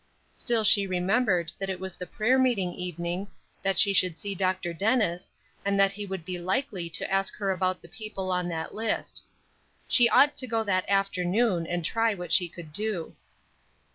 Still she remembered that it was the prayer meeting evening, that she should see Dr. Dennis, and that he would be likely to ask her about the people on that list. She ought to go that afternoon, and try what she could do.